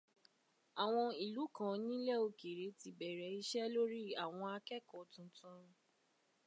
Àwọn ìlú kan nílẹ̀ òkèrè ti bẹ̀rẹ̀ iṣẹ́ lórí àwọn akẹ́kọ̀ọ́ tuntun.